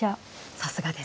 さすがです。